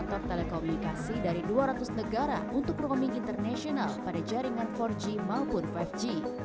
telkomsel telah komunikasi dari dua ratus negara untuk programming internasional pada jaringan empat g maupun lima g